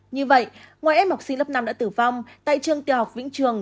như vậy ngoài em học sinh lớp năm đã tử vong tại trường tiểu học vĩnh trường